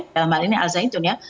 dalam hal ini al zaitun ya